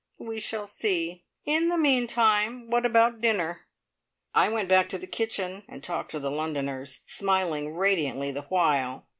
we shall see. In the meantime, what about dinner?" I went back to the kitchen and talked to the Londoners, smiling radiantly the while.